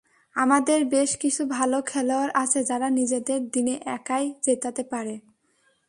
আমাদের বেশ কিছু ভালো খেলোয়াড় আছে, যারা নিজেদের দিনে একাই জেতাতে পারে।